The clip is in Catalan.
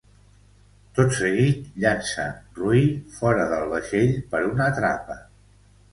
Tot seguit llança Ruy fora del vaixell per una trapa.